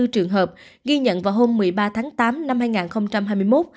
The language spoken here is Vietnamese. trường hợp ghi nhận vào hôm một mươi ba tháng tám năm hai nghìn hai mươi một